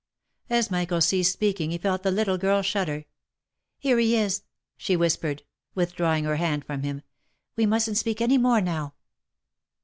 As Michael ceased speaking he felt the little girl shudder. " Here he is !" she whispered, withdrawing her hand from him —" we mustn't speak any more now."